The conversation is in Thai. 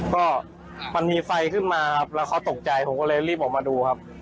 ก็มันมีไฟขึ้นมาครับแล้วเขาตกใจผมก็เลยรีบออกมาดูครับ